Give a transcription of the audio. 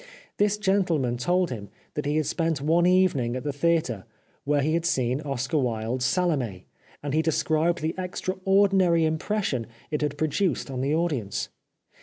This gentleman told him that he had spent one evening at the theatre, where he had seen Oscar Wilde's " Salome," and he described the extraordinary impression it had produced on the audience.